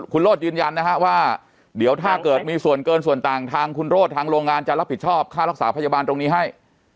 คุณโรธยืนยันนะฮะว่าเดี๋ยวถ้าเกิดมีส่วนเกินส่วนต่างทางคุณโรธทางโรงงานจะรับผิดชอบค่ารักษาพยาบาลตรงนี้ให้